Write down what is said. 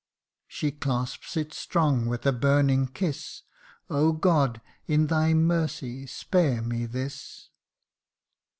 She clasps it strong with a burning kiss ' Oh God ! in thy mercy, spare me this.'